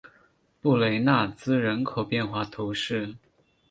布雷纳兹人口变化图示